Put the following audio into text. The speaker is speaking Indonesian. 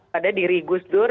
pada diri gus dur